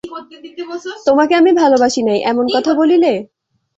তোমাকে আমি ভালোবাসি নাই, এমন কথা বলিলে?